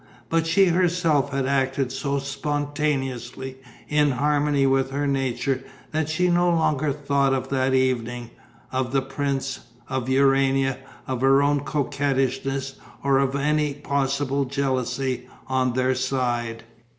But she herself had acted so spontaneously in harmony with her nature that she no longer thought of that evening, of the prince, of Urania, of her own coquettishness or of any possible jealousy on their side.